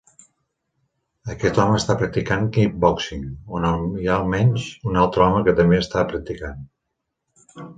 Aquest home està practicant kickboxing, on hi ha almenys un altre home que també està practicant.